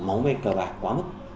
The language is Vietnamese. máu mê cờ vạc quá mức